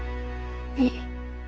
いい。